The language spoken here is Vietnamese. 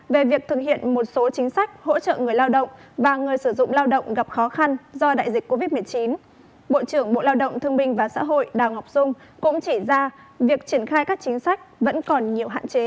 về việc thực hiện một số chính sách hỗ trợ người lao động và người sử dụng lao động gặp khó khăn do đại dịch covid một mươi chín bộ trưởng bộ lao động thương minh và xã hội đào ngọc dung cũng chỉ ra việc triển khai các chính sách vẫn còn nhiều hạn chế